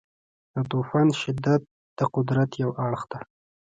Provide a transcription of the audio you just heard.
د طوفان شدت د قدرت یو اړخ دی.